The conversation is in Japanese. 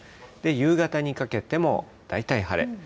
夕方にかけても大体晴れ。